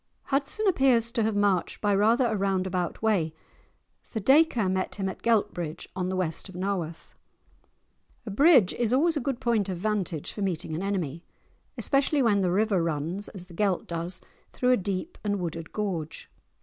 Hudson appears to have marched by rather a round about way, for Dacre met him at Geltbridge, on the west of Nawarth. A bridge is always a good point of vantage for meeting an enemy, especially when the river runs, as the Gelt does, through a deep and wooded gorge.